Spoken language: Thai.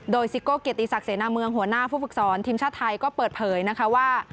โดยซิโก้เกียรติศักดิเสนาเมืองหัวหน้าผู้ฝึกสอนทีมชาติไทยก็เปิดเผยนะคะว่า